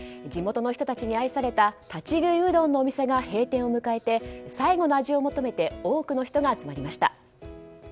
地元の人たちに愛された立ち食いうどんのお店が閉店を迎えて最後の味を求めて多くの人が集まりました。